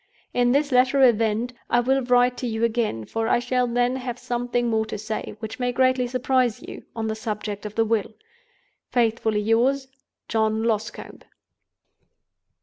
In this latter event, I will write to you again; for I shall then have something more to say, which may greatly surprise you, on the subject of the Will. "Faithfully yours, "JOHN LOSCOMBE."